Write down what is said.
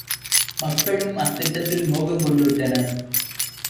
மக்களும் அத்திட்டத்தில் மோகங்கொண்டுவிட்டனர்.